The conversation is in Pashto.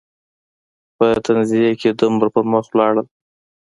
په تنزیه کې دومره پر مخ لاړل.